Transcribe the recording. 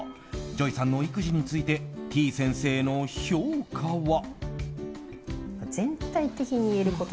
ＪＯＹさんの育児についててぃ先生の評価は。